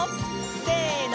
せの！